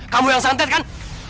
kamu yang santet kan